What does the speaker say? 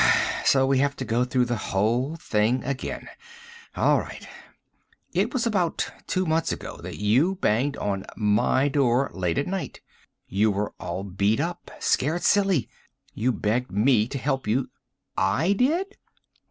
"So we have to go through the whole thing again. All right. It was about two months ago that you banged on my door, late at night. You were all beat up scared silly. You begged me to help you " "I did?"